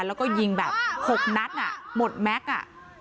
แล้วก็ยิงแบบ๖นัดอ่ะหมดแม็กซ์อ่ะ